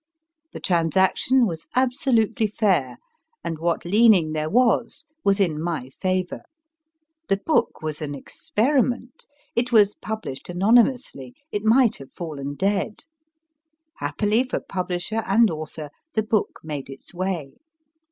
The transaction was absolutely fair, and what leaning there was was in my favour. The book was an experiment ; it was published anonymously ; it might have fallen dead. Happily for publisher and author, the book made its way.